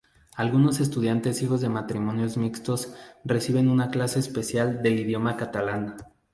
Algunos estudiantes hijos de matrimonios mixtos reciben una clase especial del idioma catalán.